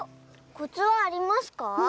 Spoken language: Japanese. コツはありますか？